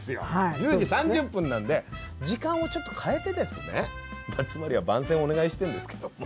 １０時３０分なんで時間を変えてですね、つまりは番宣をお願いしてるんですけど。